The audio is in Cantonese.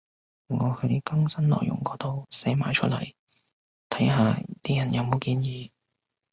我喺更新內容嗰度寫埋出嚟，睇下啲人有冇建議